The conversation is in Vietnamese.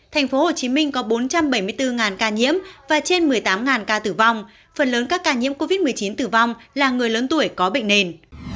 tp hcm có bốn trăm bảy mươi bốn ca nhiễm và trên một mươi tám ca tử vong phần lớn các ca nhiễm covid một mươi chín tử vong là người lớn tuổi có bệnh nền